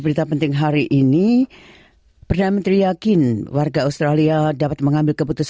dan ketika pengkumpulan dan pengg ooooh